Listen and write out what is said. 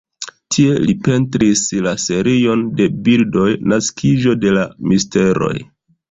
Tie li pentris la serion de bildoj Naskiĝo de la misteroj.